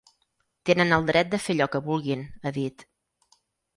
Tenen el dret de fer allò que vulguin, ha dit.